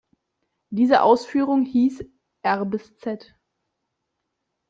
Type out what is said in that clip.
Diese Ausführung hieß R-Z.